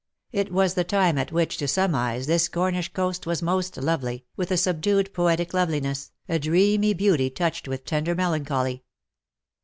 It was the time at which to some eyes this Cornish coast was most lovely, with a subdued poetic loveliness — a dreamy beauty touched with tender melancholy.